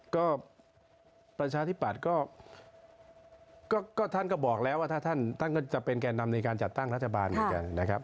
ก็ประชาธิปัตย์ก็ท่านก็บอกแล้วว่าถ้าท่านก็จะเป็นแก่นำในการจัดตั้งรัฐบาลเหมือนกันนะครับ